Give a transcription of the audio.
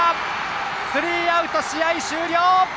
スリーアウト、試合終了！